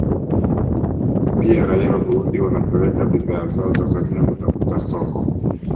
Pia raia wa Burundi wanapeleka bidhaa zao Tanzania kutafuta soko